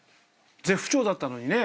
絶不調だったのにね。